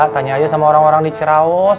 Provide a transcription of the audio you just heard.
tanya aja sama orang orang di ciraus